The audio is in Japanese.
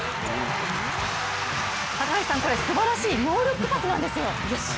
高橋さん、これすばらしいノールックパスなんですよ。